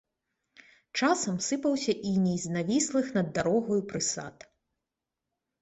Часамі сыпаўся іней з навіслых над дарогаю прысад.